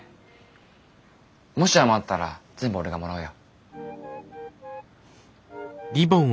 もし余ったら全部俺がもらうよ。